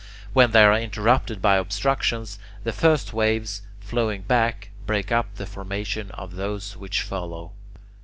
When they are interrupted by obstructions, the first waves, flowing back, break up the formation of those which follow.